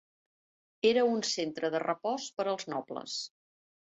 Era un centre de repòs per als nobles.